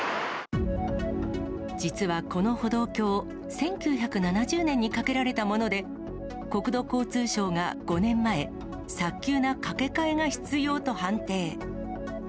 実はこの歩道橋、１９７０年に架けられたもので、国土交通省が５年前、早急な架け替えが必要と判定。